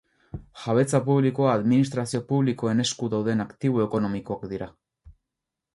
Jabetza publikoa administrazio publikoen esku dauden aktibo ekonomikoak dira.